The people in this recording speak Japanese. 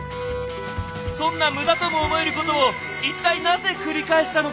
そんな無駄とも思えることをいったいなぜ繰り返したのか。